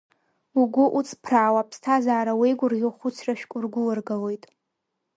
Угәы уҵԥраауа, аԥсҭазаара уеигәырӷьо, хәыцрашәк ургәыларгалоит.